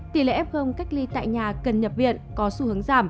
tỷ lệ f cách ly tại nhà cần nhập viện